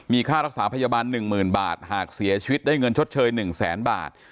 ค่ารักษาพยาบาล๑๐๐๐บาทหากเสียชีวิตได้เงินชดเชย๑แสนบาท